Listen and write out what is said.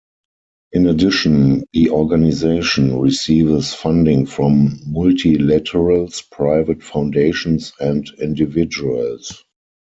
In addition, the organization receives funding from multilaterals, private foundations, and individuals.